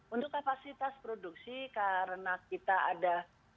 untuk kapasitas produksi karena kita ada